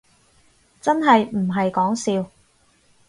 真係唔係講笑